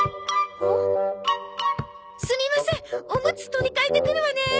すみませんおむつ取り換えてくるわね。